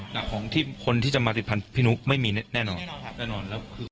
แต่ของคนที่จะมาติดพันธุ์พินุกไม่มีแน่นอน